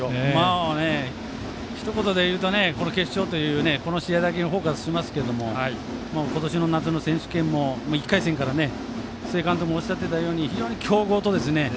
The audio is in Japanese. ひと言でいうとこの決勝という試合にフォーカスしますけど今年の夏の選手権も１回戦から須江監督もおっしゃっていたように非常に強豪と。